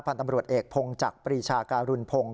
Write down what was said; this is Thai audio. พันธ์ตำรวจเอกพงจักรปรีชาการุณพงศ์